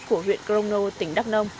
của huyện crono tỉnh đắk nông